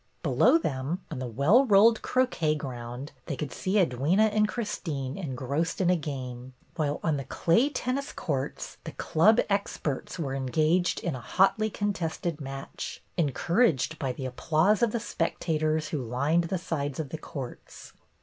Below them, on the well rolled croquet ground, they could see Edwyna and Christine engrossed in a game. 6o BETTY BAIRD'S GOLDEN YEAR while on the clay tennis courts the Club ex perts were engaged in a hotly contested match, encouraged by the applause of the spectators who lined the sides of the courts.